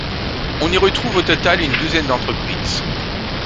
On y retrouve au total une douzaine d’entreprises.